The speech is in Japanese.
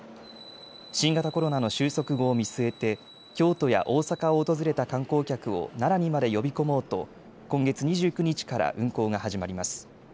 新型コロナの収束後を見据えて京都や大阪を訪れた観光客を奈良にまで呼び込もうと今月２９日から運行が始まります。